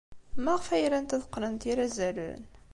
Maɣef ay rant ad qqnent irazalen?